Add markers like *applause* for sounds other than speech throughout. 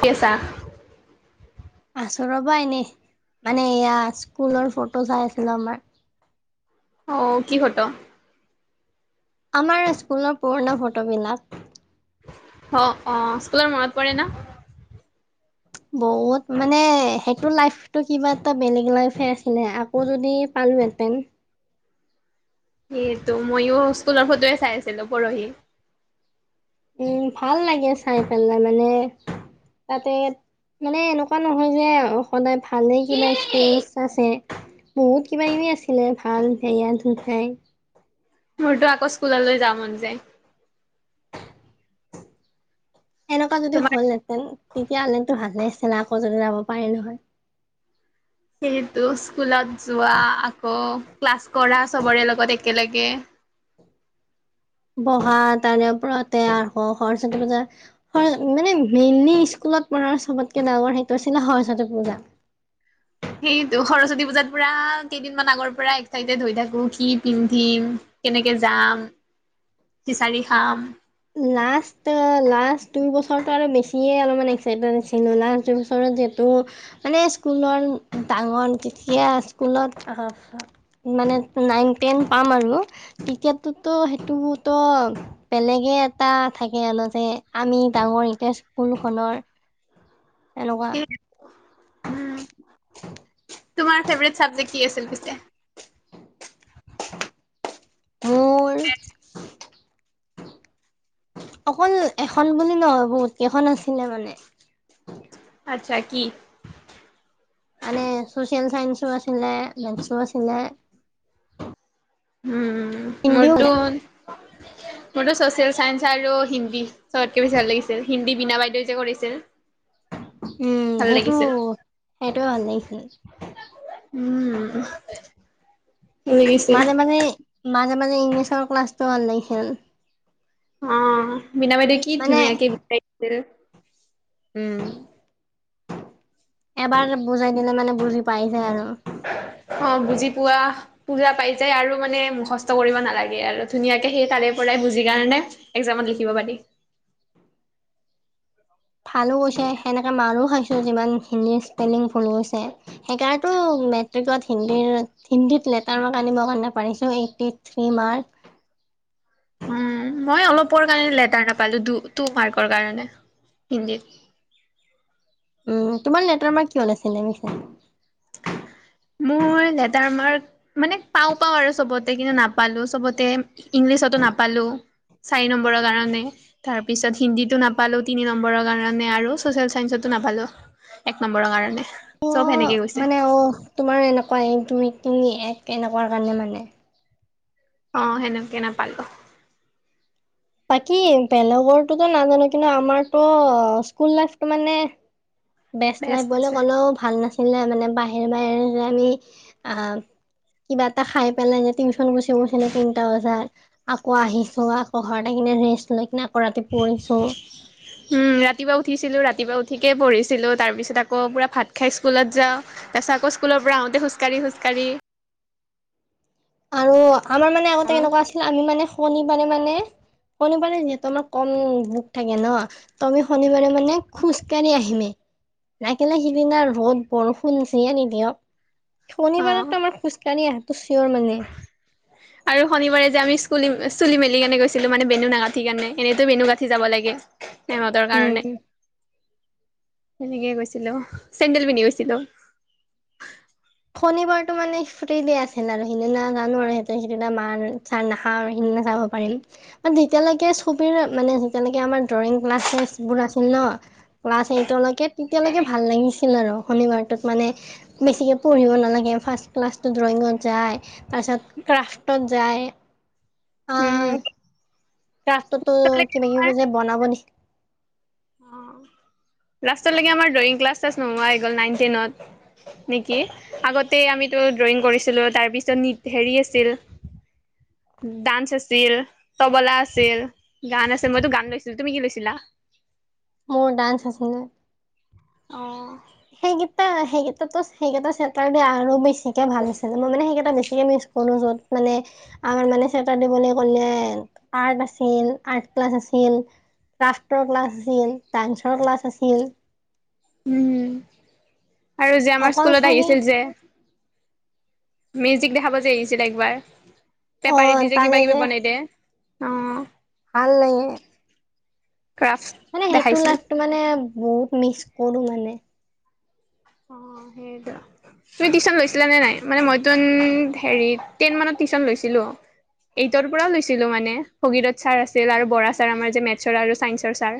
কিয়ে চা আছো ৰবাএনে মানে এয়া স্কুলৰ ফটো চাই আছিলো আমাৰ। অহ, কি ফট? আমাৰ স্কুলৰ পুৰণা ফটোবিলাক। অহ - অহ স্কুলৰ মনত পৰে ন'? বহুত মানে সেইটো লাইফটো কিবা এটা বেলেগ লাইফে আছিলে আকৌ যদি পা লো এতেন সেয়েটো ময়ো স্কুলৰ ফটোয়ে চাই আছিলো পৰহি। উম, ভাল লাগে চাই পেলাই মানে তাতে মানে এনেকুৱা নহয় যে সদায় ভাল ভালেই কিবা এক্সপিৰিয়েঞ্চ আছে বহুত কিবা -কিবি আছিলে ভাল সেয়া দুঠাই মোৰতো আকৌ স্কুললৈ যাব মন যায়। এনেকুৱা যদি তোমাৰ হ'লহেতেন তেতিয়া হলেনো ভালে আ। তে আকৌ যদি যাব পাৰি নহয় সেইেতটো স্কুলত যোৱা আকৌ ক্লাছ কৰা চবৰে লগত একেলগে *inaudible* বহা তাৰেউপৰতে সৰস্বতী পূজা মানে মেইনলি স্কুল। *unintelligible* ত পৰাৰ চবতকে ডাঙৰ সেইটো হৈছিলে সৰস্বতী পূজা উ সেইটো সৰস্বতী পূজাত পুৰা কেইদিনমান আগৰ পৰা এক্সাইটেড হৈ থাকো সি পিন্ধিম *unintelligible* কেনেকে যাম বিচাৰি খাম *unintelligible* লাষ্ট লাষ্ট দুই বছৰতৰতো আৰু বেছিয়ে অলপমান এক্সাইটেড আছিলো লাষ্ট দুইবছৰত যিহেতু। মানে স্কুলৰ ডাঙৰ যেতিয়া স্কুলত মানে। নাইন টেন পাম আৰু ক্ৰিকেটটোততো সেইটোতো বেলেগে। এটা থাকে আনো যে আমি ডাঙৰ এতিয়া স্কুল খনৰ। হলুৱা তোমাৰ ফেভট চাবজেক্ট কি আছিল পিছে মোৰ এক। অকল এখন বুলি নহয় বহুত কেইখন আছিলে মানে। আচ্ছা কি আনে *unintelligible* সোচিয়েল সাইনচ বাছিল মোনছ বাছিল। উম মদু *unintelligible* মোৰতো ছচিয়েল চাইন্স আৰু হিন্দী চবতকে বেছি ভাল লাগিছিল হিন্দী বিনা বাইদেউ যে কৰিছিল। *unintelligible* উম ভাল সেইটো লাগিছিল সেইটোয়ে ভাল লাগিছিল। উম ভাল লাগিছিল মাজে মাজে মাজে মাজে ইংলিছৰ ক্লাছটো ওলাই *unintelligible* লাগিছিল। *unintelligible* অ মিনা বাইদেউ কি মানে ধুনীয়াকে বাজাইদিছিল। উম এবাৰ বুজাই দিলে মানে বুজি। পাই যায় আৰু অ বুজি পোৱা বুজা পাই যায় আৰু মানে মুখষ্ট কৰিব নালাগে আৰু ধুনীয়াকে সেই তালিৰ পৰাই বুজি কাৰণে একজামত *unintelligible* লিখিব পাৰে ভালো গৈছে সেনেকে মানুহও খাইছে। হিন্দীৰ স্পেলিং ভ সেইকাৰ ম্ৰিকত হ। *unintelligible* লেটাৰ ম আনিবা কাৰণে পাৰিছো এইটি থিৰী মাৰ্ক্স। *unintelligible* উম মই অলপ। ৰ কাৰণে লেটাৰ নাপালো তটো মাৰ্কৰ কাৰণে। হিন্দীত। উম তোমাৰ লেটাৰ মাৰ্ক কিহত আছিলে? *unintelligible* মোৰ লেটাৰ মাৰ্ক মানে পাওঁ পাও আৰু চবতে কিন্তু নাপালো, চবতে পিছতো নাপালো *unintelligible* চাৰি নম্বৰৰ কাৰণে তাৰ পিছত হিন্দীতো নাপালো তিনি নম্বৰৰ কাৰণে আৰু ছচিয়েল চাইন্সতো *unintelligible* নাপালো এক নম্বৰৰ কাৰণে। অ চব সেনেকে গৈছে মানে অ তোমাৰ এনেকুৱা ক তুমি তুমি এক এনেকুৱা কাৰণে মানে। অ সেনেকে নাপালো। বাকী বেলেগৰটোতো নাজানো কিন্তু আমাৰতো স্কুল লাইফটো মানে বেষ্ট ক'লেও ভাল নাছিলে মানে বাহিৰে বাহৰে আমি আহ *unintelligible* কিবা এটা খাই পেলাই যে টিউশচন গুচি গৈছিলে তিনটা বজাত আকৌ আহিছো, আকৌ ঘৰত আহি ৰেষ্ট লৈ *unintelligible* পঢ়িছো। উম ৰাতিপুৱা উঠিছিলো ৰা ৰাতিপা উঠিকে পঢ়িছিলো। তাৰপিছত আকৌ পূৰা ভাত খাই স্কুল যাওঁ। তাৰপাছত আকৌ স্কুলৰ পৰাওঁতে খোজ কাঢ়ি খোজ কাঢ়ি - আৰু আমাৰ মানে আগতে কেনেকুৱা আছিল আমি মানে শনিবাৰে মানে শনিবাৰে যিহেতু আমাৰ কম বুক থাকে ন ত আমি শনিবাৰে মানে খোজ কাঢ়ি আহিমেই। লাগিলে সিদিনা ৰ'দ বৰষুণ যিয়ে নি দিয়ক। অ অ শনিবাৰেতো আমাৰ খোজকাঢ়ি আহাটো চিয়ৰ মানে। আৰু শনিবাৰে যে আমি স্কোলি চুলি মেলি কেনে গৈছিলো মানে বেনু নাগাঠি কাণে এনেইতো বেনু গাঁঠি যাব লাগে। সেহঁতৰ উম। কাৰণে সেনেকেই গৈছিলো, চেণ্ডেল পিন্ধি গৈছিলো। শনিবাৰটো মানে ফুটত দে আছিল আৰু সেইদিনা জানো আৰু সিহতে সেইটা মাৰ চাৰ নাখাওঁ সেইদিনা অ পাৰিম, তেতিয়ালৈকে ছবিৰ মানে যেনেকে আমাৰ ড্ৰয়িং ক্লাচ শ্লাছবোৰ আছিল ন ক্লাছ এইটৰলৈকে তেতিয়ালৈকে ভাল লাগিছিল আৰু শনিবাৰটোত মানে বেছিকে পঢ়িব নালাগে, ফাৰ্ষ্ট ক্লাছটো ড্ৰয়িঙত যায়, তাৰপিছত ক্ৰাফটত যায়। উম। ক্ৰাফটোতো কিবা কিবি যে বনাব দিয়ে। লাষ্টলৈকে আমাৰ ড্ৰয়িং ক্লাছ চাছ নোহোৱা হৈ গ'ল, নাইন টেনত নেকি? আগতে আমিতো ড্ৰয়িং কৰিছিলোঁ তাৰ পিছত নিট সেৰি আছিল ডান্স আছিল, তবলা আছিল, গান আছিল মইতো গান লৈছিলো। তুমি কি লৈছিলা? *inaudible* মোৰ ডান্স আছিলে। অঁ। সেইকেইটা সেইকেইটাটো সেইকেইটা চেটাৰ ডে আৰু বেছিকে ভাল আছিলে। মই মানে সেইকেইটা বে বেছিকে মিছ কৰো য'ত মানে আমাৰ মানে চেতাৰ দে বুলি ক'লে আৰ্ট আছিল আ ক্লাছ আছিল, ক্ৰাফটৰ ক্লাছ আছিল, ডান্সৰ ক্লাছ আছিল। উম, আৰু যে আমাৰ অকল স্কুলত চাগে আহিছিল যে মেজিক দেখাব যে আহিছিল একবাৰ। অ পেপাৰী দি যে তাৰে কিবা কিবি বনাই দে। অ। ভাল লাগে ক্ৰাফট মানে সেইটো দেখাইছিল লাইফটো মানে বহুত মিচ কৰো মানে। অ সেইটো। তুমি টিউচন লৈছিলা নে নাই? মানে মই তোন হেৰি টেন মানত টিউচন লৈছিলো। এইটৰ পৰাও লৈছিলোঁ মানে, ভগীৰত ছাৰ আছিল আৰু বৰা ছাৰ আমাৰ যে মেথছৰ আৰু ছাইন্সৰ ছাৰ।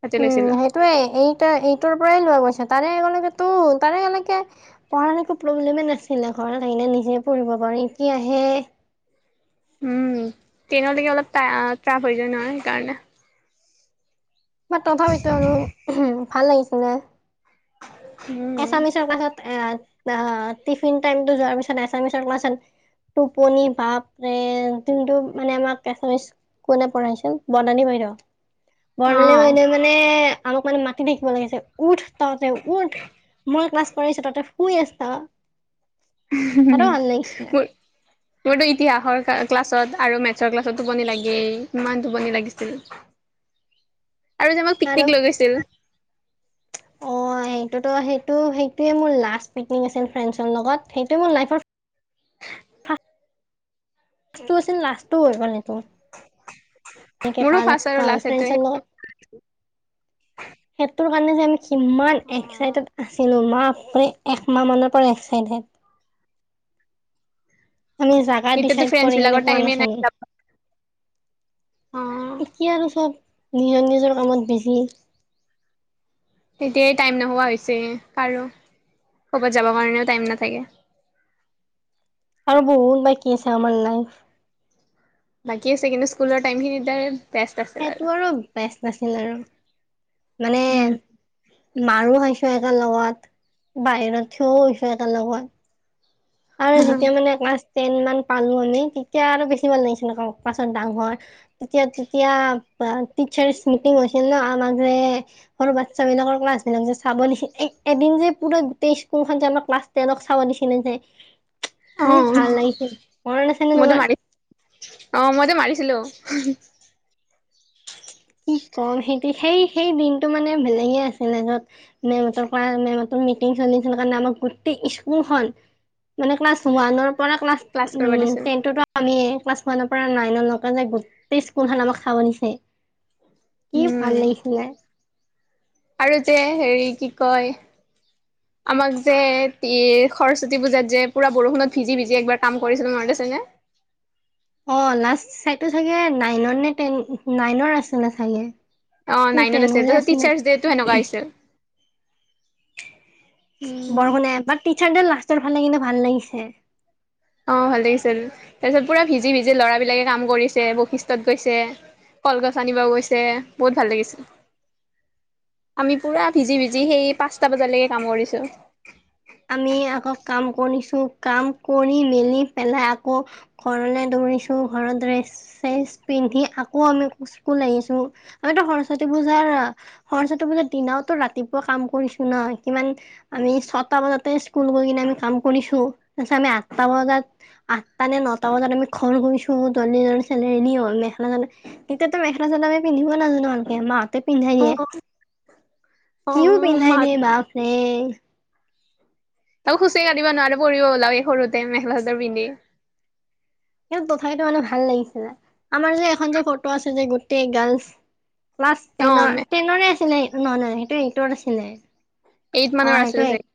তাতে উম লৈছিলো সেইটোয়ে এই এইটোৰ পৰাই লোৱা গৈছে তাৰে আগলৈকে ত তাৰে এনেকে পঢ়াৰ একো প্ৰব্লেম নাছিলে, ঘৰত আহিকিনে নিজে পঢ়িব পাৰি কি আহে এ উম, টেনলৈকে অলপ টা টাফ হৈ যায় ন সেইকাৰণে। বা তথাপিতো আৰু ভাল লাগিছিলে। উ। *inaudible* এছামিছৰ ক্লাছত এ টিফিন টাইমটো যোৱাৰ পিছত এছামিছৰ ক্লাছত টোপনি বাপ ৰে, যোনটো মানে আমাক এচামিছ কোনে পঢ়াইছে? বৰ্ণালী বাইদেউ। অ বৰ্ণালী বাইদেউ মানে আমাক মানে মাতি থাকিব লাগিছে। উঠ তহতে উঠ। মই ক্লাছ কৰিছো তহতে শুই আছা। ম, মোৰ মোৰতো ইতিহাসৰ কা ক্লাছত আৰু মেথছৰ ক্লাছত টোপনি লাগেই ইমান টোপনি লাগিছিল। আৰু যে আমাক আৰু পিকনিক লৈ গৈছিল। অ। সেইটোতো, সেইটো সেইটোৱে মোৰ লাষ্ট পিকনিক আছিল ফ্ৰেণ্ডছৰ লগত। সেইটোৱে মোৰ লাইফৰ লাষ্ট আছিল লাষ্ট হৈ গলে। নক মোৰো ন ফাৰ্ষ্ট আৰু ফ্ৰে লগত লাষ্ট সেইটোৱে *unintelligible* সেইটোৰ কাৰণে যে আমি কিমান অ', এক্সাইটেড আছিলো, মা একমাহ মানৰ পৰা এক চাইডেড। আমি জাগা এতিয়াতো ডিচাইড ফ্ৰেণ্ডছ কৰি কিনে বিলাকৰ পোৱা টাইমে নাই নাছিলো। যাব অ', এতিয়া আৰু চব নিজৰ নিজৰ কামত বিজি। তেতিয়াই টাইম নোহোৱা হৈছে কাৰো, ক'বাত যাব কাৰণেও টাইম নাথাকে। *inaudible* আৰু বহুত বাকী আছে আমাৰ লাইফ বাকী আছে, কিন্তু স্কুলৰ টাইম খিনিৰ সেইটো আৰু বেষ্ট নাছিল আৰু। মানে, মাৰো খাইছো একে লগত বাহিৰত থিয়ও হৈছো একেল লগত। আৰু যেতিয়া উম, মানে ক্লাছ টেন মান পালো আমি তেতিয়া আৰু বেছি ভাল লাগিছিল নক পাছত ডাঙৰ। তেতিয়া তেতিয়া বা টিচাৰ্চ মিটিং হৈছিল ন আমাক যে সৰু বাচ্ছ বিলাকৰ ক্লাছ বিলাক যে চাব নি এদিন যে পুৰা গোটেই স্কুলখন যে আমাৰ ক্লাছ টেনক চাব দিছিলে যে কি অ', ভাল লাগিছিল? মনত আছে নে মইতো তোমাৰ? মাৰি অ' মইতো মাৰিছিলো। কি কম সেই সেই সেই দিনটো মানে বেলেগে আছিলে য'ত মেমৰ পৰা মেম মিটিং চলিছিলণে আৰু গোটেই স্কুলখন মানে ক্লাছ ওৱানৰ পাৰ ক্লাছ কৰিব দিছিল, টেনটতো আমি ক্লাছ খ ন পৰা নাই ন ন যে গোটেই স্কুলখন আমাক চাব নিছে। কি উম, ভাল লাগিছিলে। আৰু যে, হেৰি কি কয়, আমাক যে এ সৰস্বতী পূজাত যে পুৰা বৰষুনত ভিজি-ভিজি একবাৰ কাম কৰিছিলো মনত আছে? আছেনে? অ'লাষ্ট চাইডটো চাগে নাইন নে টেন নাইনৰ আছে নে চাগে। অ' নে নাইনত আছিল টেনৰে তাৰপছত আছিলে টিচাৰ্চ ডো সেনেকুৱা আছিল। বৰষুণ এ বাট টিচাৰড লাষ্টৰ ফালে কিন্তু ভাল লাগিছে। অ'ভাল লাগিছিল তাৰপিছত পুৰা ভিজি ভিজি ল'ৰাবলাকে কাম কৰিছে বৈশিষ্টত গৈছে। কলগছ আনিব গৈছে, বহুত ভাল লাগিছে। আমি পুৰা ভিজি-ভিজি সেই পাঁচটা বজালৈকে কাম কৰিছো। আমি আকৌ কাম কৰিছো কাম কৰি মেলি পেলাই আকৌ ঘৰলে ঘৰ ড্ৰেচ পিন্ধি আকৌ আমি স্কুল আহিছো। আমিতো সৰস্বতী পূজাৰ, সৰস্বতী পূজাৰ দিনাওতো ৰাতিপুৱা কাম কৰিছো ন কিমান আমি। আঠটা বজাতে স্কুল গৈ কিনে আমি কাম কৰিছো। তাৰপিছত আমি আঠটা বজাত আঠটা নে নটা বজাত আমি ঘৰ গৈছো দ চেলে মেখেলা চাদৰ তেতিয়াতো মেখেলা চাদাবে পিন্ধিব নাজানো ভালকে মা হঁতে পিন্ধাই অ দিয়ে। অ কি পিন্ধাই মা দিয়ে বাপ ৰে। তাকো খোজে কাঢ়িব নোৱাৰো পৰিব উলাৱে সৰুতে মেখেলা চাদৰ পিন্ধি। কিন্তু তথাপিতো মানে ভাল লাগিছিলে, আমাৰ যে এখন যে ফটো আছে যে গোটেই গাৰ্লচ। ক্লাছ অ টেনৰ টেনৰে আছিলে নহয় নহয় সেইটো এইটৰ আছিলে। এইট অ মানৰ সেইটো আছিলে এইট চাগে।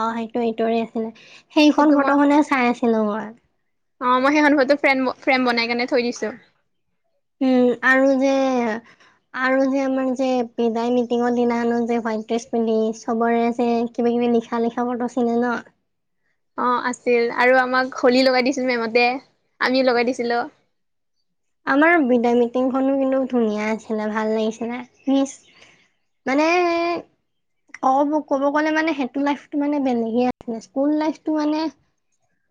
অ সেইটো এইটৰে আছিলে, সেইখন সেইটো মই ফটোখনে চাই আছিলো মই। অ মই সেইখন ফটো ফ্ৰেম ফ্ৰেম বনাই কেনে থৈ দিছো। উম আৰু যে আৰু যে আমাৰ যে বিদাই মিটিঙৰ দিনাখনো যে হোৱাইট ড্ৰেছ পিন্ধি চবৰে যে কিবা কি বি লিখা লিখা ফটো আছিলে ন? অ আছিল আৰু আমাক হোলী লগাই দিছিল মেমহতে, আমিও লগাই দিছিলো। *inaudible* আমাৰ বিদায় মিটিংখনো কিন্তু ধুনীয়া আছিলে ভাল লাগিছিল। মানে অ ক'ব গ'লে মানে সেইটো লাইফটো মানে বেলেগে আছিলে স্কুল লাইফটো মানে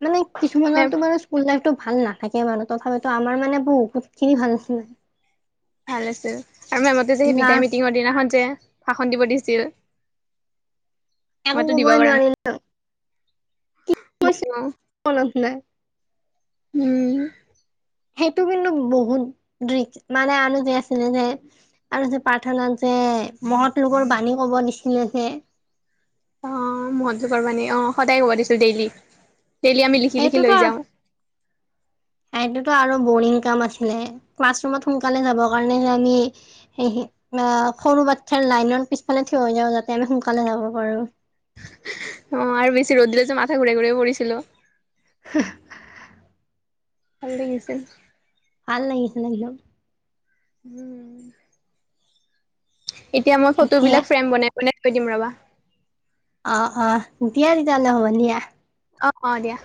মানে মেম কিছুমানৰতো মান স্কুল লাইফটো ভাল নাথাকে বাৰু তথাপিতো আমাৰ মানে অ বহুতখিনি ভাল আছিলে। ভাল আছিল, আৰু মেমহতে যে সেই বিদায় লাষ্ট মিটিঙৰ দিনাখন যে ভাষণ দিব দিছিল। একো কবই নোৱাৰিলো। মইও মনত নাই। উম সেইটো কিন্তু বহুত মানে আৰু যে আছিলে যে আৰু যে প্ৰাৰ্থনাত যে এ' মহত লোকৰ বাণী কব দিছিলে যে অহ, মহত লোকৰ বাণী অহ সদায় ক'ব দিছিল ডেইলি। ডেইলি আমি লিখি -লিখি সেইটোতো লৈ যাওঁ। সেইটোতো আৰু বৰিং কাম আছিলে ক্লাছৰুমত সোনকালে যাব কাৰনে যে আমি *unintelligible* সৰু বাচ্ছাৰ লাইনৰ পিছফালে থিয় হৈ যাওঁ যাতে আমি সোনকালে যাব পাৰো অহ, আৰু বেছি ৰ'দ দিলে যে মাথা ঘূৰাই- ঘূৰাই পৰিছিলো। *unintelligible* ভাল লাগিছিল। ভাল লাগিছিল একদম। উম, এতিয়া মই ফটো দিয়া বিলাক ফ্ৰেম বনাই উলাই থৈ দিম ৰবা। অহ - অহ দিয়া তেতিয়াহলে হ'ব দিয়া। অহ - অহ দিয়া।